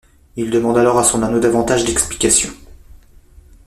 Il demande alors à son anneau davantage d'explications.